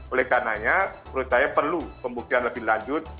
oleh karenanya menurut saya perlu pembuktian lebih lanjut